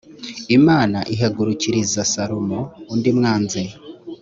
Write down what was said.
imana ihagurukiriza salomo undi mwanzi